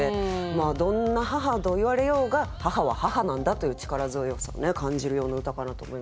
どんな母といわれようが母は母なんだという力強さも感じるような歌かなと思いますけれども。